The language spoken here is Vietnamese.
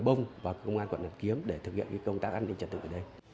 ông và công an quản lập kiếm để thực hiện công tác an ninh trật tự ở đây